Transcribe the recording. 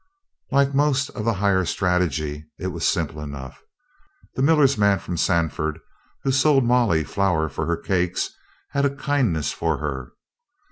Like most of the higher strategy, it was simple enough. The miller's man from Sandford, who sold Molly flour for her cakes, had a kindness for her.